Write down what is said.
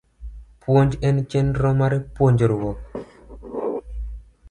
Puonj en chenro mar puonjruok